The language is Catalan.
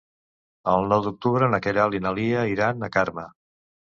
El nou d'octubre na Queralt i na Lia iran a Carme.